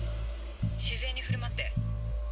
自然に振る舞って。